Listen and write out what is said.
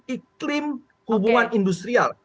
iklim hubungan industrial